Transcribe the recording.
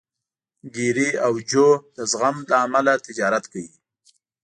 ګېري او جو د زغم له امله تجارت کوي.